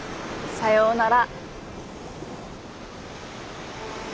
さよなら。